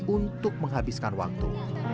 untuk menghabiskan waktu